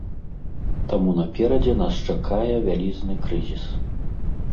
Таму наперадзе нас чакае вялізны крызіс.